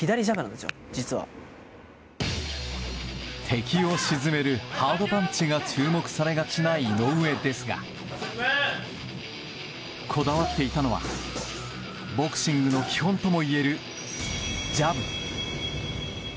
敵を沈めるハードパンチが注目されがちな井上ですがこだわっていたのはボクシングの基本ともいえる、ジャブ。